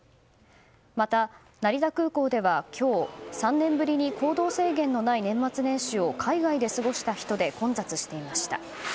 また、成田空港では今日３年ぶりに行動制限のない年末年始を海外で過ごした人で混雑していました。